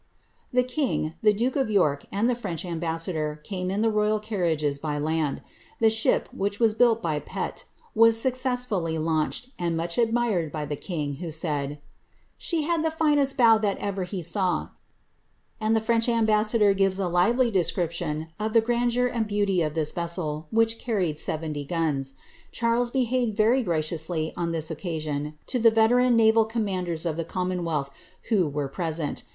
The king, the duke of York, and the French ambassador came in the Toyvl carriages by land. The ship, which was built by Pett, wna suc cessfully launched, and much admired by the king, who said, ^* she had the finest bow that erer he saw ; and the French ambassador gives a lively description of the grandeur and beauty of this vessel, which earned 70 gUDs. Charles behaved very graciously, on this occasion, to the veteran naval commanders of the commonwealth, who were present.